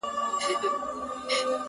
• غیږي ته مي راسي مینه مینه پخوانۍ -